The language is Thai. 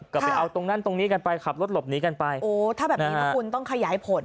ก็ไปเอาตรงนั้นตรงนี้กันไปขับรถหลบหนีกันไปโอ้ถ้าแบบนี้นะคุณต้องขยายผล